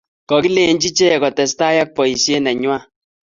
Kokilenji ichek kotestai ak boishet neng'wai